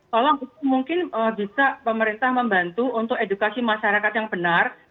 tolong itu mungkin bisa pemerintah membantu untuk edukasi masyarakat yang benar